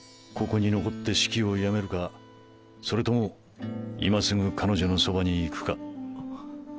ここに残って式をやめるかそれとも今すぐ彼女のそばに行くか。